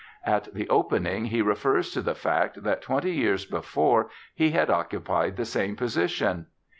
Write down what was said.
At the opening he refers to the fact that twenty years before he had occupied the same position.